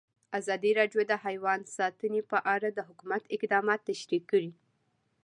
ازادي راډیو د حیوان ساتنه په اړه د حکومت اقدامات تشریح کړي.